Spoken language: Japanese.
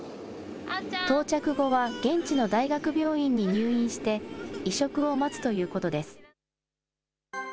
到着後は現地の大学病院に入院して、移植を待つということです。